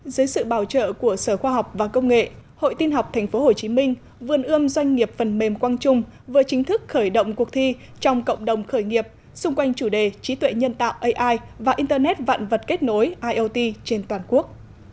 dưới sự bảo trợ của sở khoa học và công nghệ hội tin học tp hcm vườn ươm doanh nghiệp phần mềm quang trung vừa chính thức khởi động cuộc thi trong cộng đồng khởi nghiệp xung quanh chủ đề trí tuệ nhân tạo ai và internet vạn vật kết nối iot trên toàn quốc